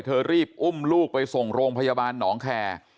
รีบอุ้มลูกไปส่งโรงพยาบาลหนองแคร์